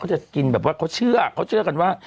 จะกินแบบว่าเขาเชื่อเขาเชื่อกันว่า